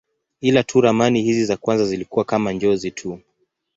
Ila tu ramani hizi za kwanza zilikuwa kama njozi tu.